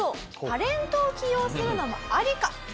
タレントを起用するのもありか。